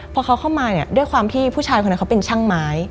พอเขาเข้ามาเนี่ยด้วยความที่ผู้ชายคนนั้นเขาเป็นช่างไม้